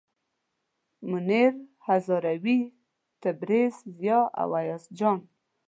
منیر هزاروي، تبریز، ضیا او ایاز جان.